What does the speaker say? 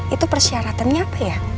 itu persyaratannya apa ya